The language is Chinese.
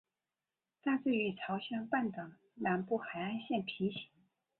大致与朝鲜半岛南部海岸线平行。